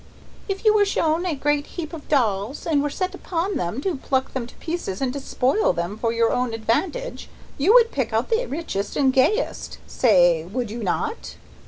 "If you were shown a great heap of dolls, and were set upon them to pluck them to pieces and despoil them for your own advantage, you would pick out the richest and gayest. Say! Would you not?"